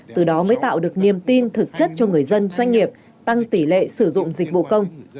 từ đó mới tạo được niềm tin thực chất cho người dân doanh nghiệp tăng tỷ lệ sử dụng dịch vụ công